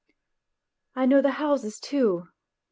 I know the houses too.